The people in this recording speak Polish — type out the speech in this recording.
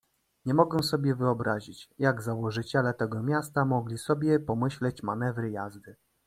"Nie mogę sobie wyobrazić, jak założyciele tego miasta mogli sobie pomyśleć manewry jazdy!"